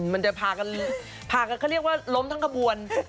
มันจะพากันค่ะเรียกว่าล้มทั้งกระบวน